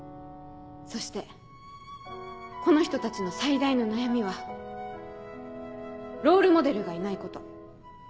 そしてこの人たちの最大の悩みはロールモデルがいないこと。